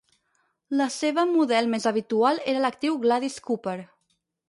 La seva model més habitual era l'actriu Gladys Cooper.